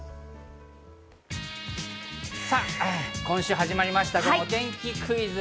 今週始まりましたお天気クイズ！